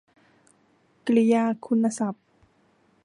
กริยาคุณศัพท์